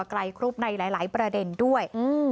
ไกลครุบในหลายประเด็นด้วย